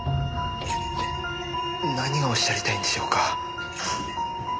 何がおっしゃりたいんでしょうか。